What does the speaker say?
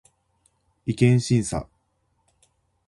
違憲審査